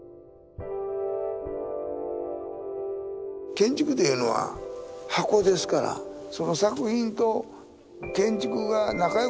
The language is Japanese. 建築というのは箱ですからその作品と建築が仲良くする必要はない。